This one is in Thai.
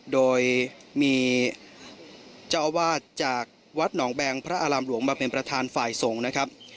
โดยมีเจ้าอาวาสจากวัดหนองแบงพระอารามหลวงมาเป็นประธานฝ่ายส่งนะครับ